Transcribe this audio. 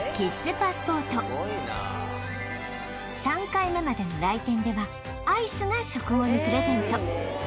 ３回目までの来店ではアイスが食後にプレゼント